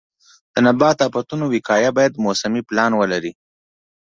د نبات د آفتونو وقایه باید موسمي پلان ولري.